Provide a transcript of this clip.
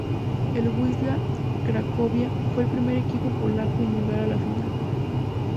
El Wisla Cracovia fue el primer equipo polaco en llegar a la final.